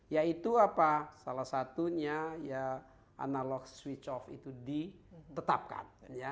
yaitu apa salah satunya ya analog switch off itu ditetapkan